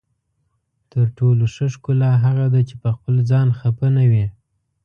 تر ټولو ښه ښکلا هغه ده چې پخپل ځان خفه نه وي.